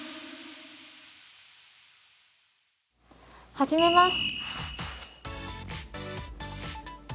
始めます！